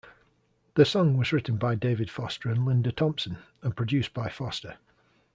The song was written by David Foster and Linda Thompson, and produced by Foster.